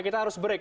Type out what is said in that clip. kita harus break